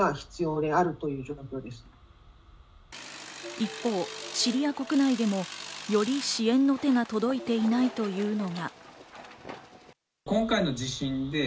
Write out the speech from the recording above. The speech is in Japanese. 一方、シリア国内でもより支援の手が届いていないというのが。